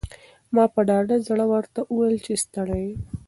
ما په ډاډه زړه ورته وویل چې ستړی یم.